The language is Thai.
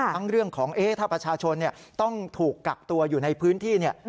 เรื่องของถ้าประชาชนต้องถูกกักตัวอยู่ในพื้นที่เนี่ย